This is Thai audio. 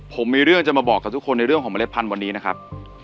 ผมมีเรื่องจะมาบอกกับทุกคนในเรื่องของเมล็ดพันธุ์วันนี้นะครับ